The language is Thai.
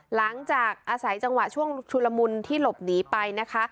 หลังจากอาศัยจังหวะช่วงชุลมุนที่หลบหนีไปนะคะ